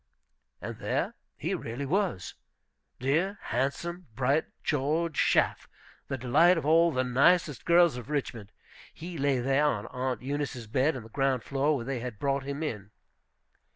And there he really was, dear handsome, bright George Schaff, the delight of all the nicest girls of Richmond; he lay there on Aunt Eunice's bed on the ground floor, where they had brought him in.